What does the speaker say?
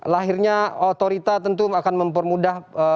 lahirnya otorita tentu akan mempermudah